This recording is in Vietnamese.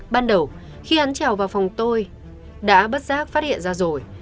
ban đầu khi hắn trèo vào phòng tôi đã bất giác phát hiện ra rồi